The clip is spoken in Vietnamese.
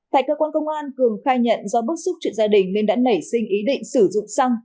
tại cơ quan công an cường khai nhận do bức xúc chuyện gia đình nên đã nảy sinh ý định sử dụng xăng